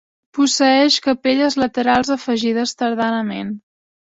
Posseeix capelles laterals afegides tardanament.